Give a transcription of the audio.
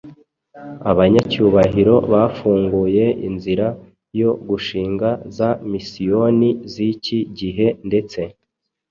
abanyacyubahiro bafunguye inzira yo gushinga za misiyoni z’iki gihe ndetse